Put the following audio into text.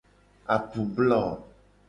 Apublo.